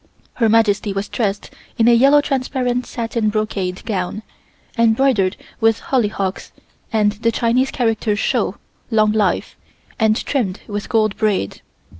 Her Majesty was dressed in a yellow transparent satin brocade gown, embroidered with hollyhocks and the Chinese character "Shou" (Long Life) and trimmed with gold braid.